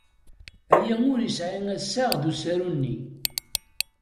Aya ur yesɛi assaɣ ed usaru-nni.